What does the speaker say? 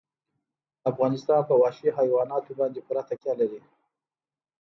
افغانستان په وحشي حیواناتو باندې پوره تکیه لري.